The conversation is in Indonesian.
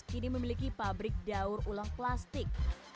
kini memiliki pabrik daur ulang plastik